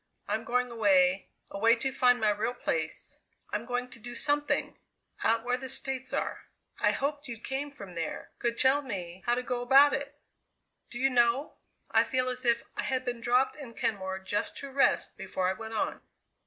I'm going away, away to find my real place. I'm going to do something out where the States are. I hoped you came from there; could tell me how to go about it. Do you know, I feel as if I had been dropped in Kenmore just to rest before I went on!"